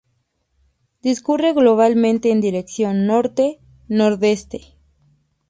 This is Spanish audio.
Discurre globalmente en dirección norte-nordeste.